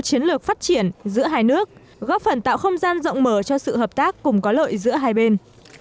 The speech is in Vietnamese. chiến lược phát triển giữa hai nước góp phần tạo không gian rộng mở cho sự hợp tác cùng có lợi giữa hai bên